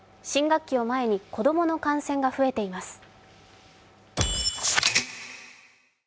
新学期を前に子供の感染が増えています。